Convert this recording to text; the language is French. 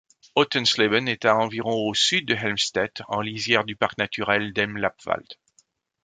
Hötensleben est à environ au sud de Helmstedt, en lisière du parc naturel d'Elm-Lappwald.